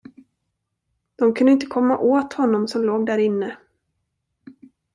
De kunde inte komma åt honom som låg därinne.